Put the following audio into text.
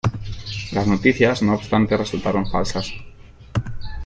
Las noticias, no obstante, resultaron falsas.